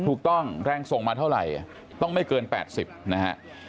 แรงส่งมาเท่าไหร่ต้องไม่เกิน๘๐นะฮะ